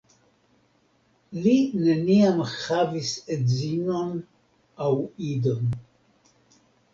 Li neniam havis edzinon aŭ idon.